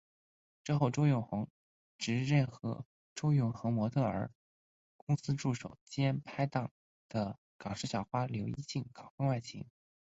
之后周永恒直认和周永恒模特儿公司助手兼拍档的港视小花刘依静搞婚外情。